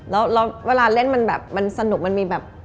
แล้วเวลาเล่นมันแบบมันสนุกมันมีแบบ